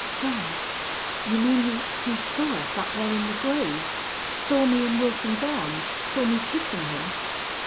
"Ben, you mean he he saw us up there in the grove? Saw me in Wilson's arms saw me kissing him?"